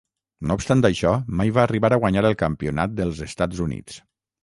No obstant això, mai va arribar a guanyar el Campionat dels Estats Units.